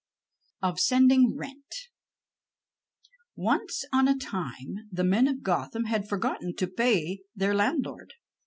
OF SENDING RENT Once on a time the men of Gotham had forgotten to pay their landlord.